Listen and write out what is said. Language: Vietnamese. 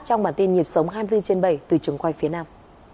trong bản tin nhịp sống hai mươi bốn trên bảy từ trường quay phía nam